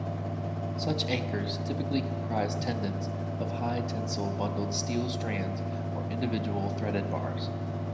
Such anchors typically comprise tendons of high-tensile bundled steel strands or individual threaded bars.